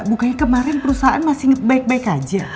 bukannya kemarin perusahaan masih baik baik aja